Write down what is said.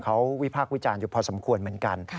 เขาวิพากษ์วิจารณ์อยู่พอสมควรเหมือนกัน